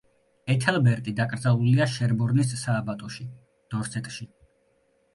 ეთელბერტი დაკრძალულია შერბორნის სააბატოში, დორსეტში.